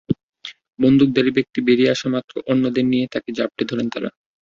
বন্দুকধারী ব্যক্তি বেরিয়ে আসা মাত্র অন্যদের নিয়ে তাঁকে জাপটে ধরেন তাঁরা।